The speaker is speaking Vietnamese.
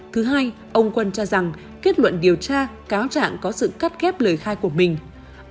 thứ hai ông quân cho rằng kết luận điều tra cáo trạng có sự cắt kép lời khai của bà phương hằng